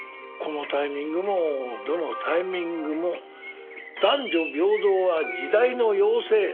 このタイミングもどのタイミングも男女平等は時代の要請。